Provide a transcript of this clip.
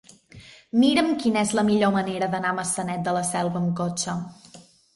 Mira'm quina és la millor manera d'anar a Maçanet de la Selva amb cotxe.